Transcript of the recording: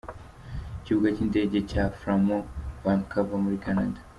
Ikibuga cy’Indege cya Fraimont Vancouver muri Canada.